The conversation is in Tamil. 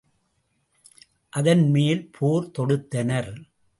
அதன் மேல் போர் தொடுத்தனர்.